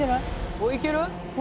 「おっいける？」